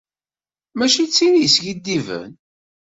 Mačči d tin yeskiddiben.